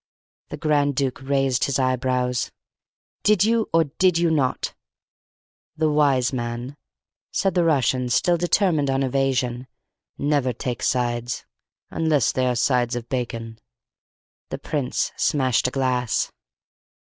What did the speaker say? The Grand Duke raised his eyebrows. "Did you or did you not?" "The wise man," said the Russian, still determined on evasion, "never takes sides, unless they are sides of bacon." The Prince smashed a glass.